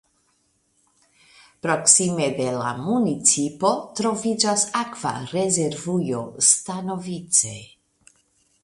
Proksime de la municipo troviĝas akva rezervujo Stanovice.